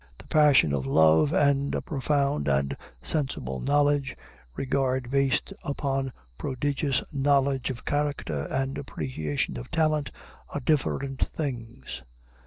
The passion of love and a profound and sensible knowledge, regard based upon prodigious knowledge of character and appreciation of talent, are different things.